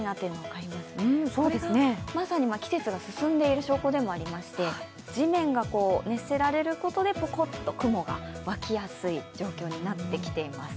これがまさに季節が進んでいる証拠でもありまして、地面が熱せられることで、ぽこっと雲が湧きやすい状況になってきています。